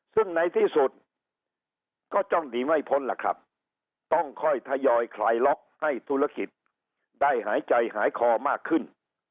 ซึ่งในที่สุดก็ต้องหนีไม่พ้นล่ะครับต้องค่อยทยอยคลายล็อกให้ธุรกิจได้หายใจหายคอมากขึ้น